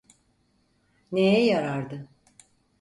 Neye yarardı!